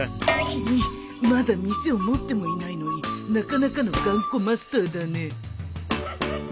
君まだ店を持ってもいないのになかなかの頑固マスターだね。